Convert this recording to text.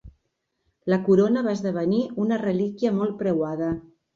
La corona va esdevenir una relíquia molt preuada.